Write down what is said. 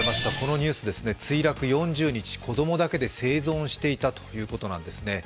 ニュース、墜落４０日、子供だけで生存していたということなんですね。